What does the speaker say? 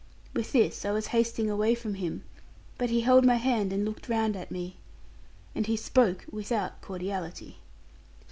With this I was hasting away from him, but he held my hand and looked round at me. And he spoke without cordiality.